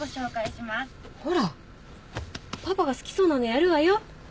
ほらパパが好きそうなのやるわよ。